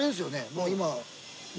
もう今。